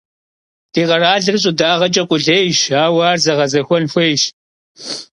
Di kheralır ş'ıdağeç'e khulêyş, aue ar zeğezexuen xuêyş.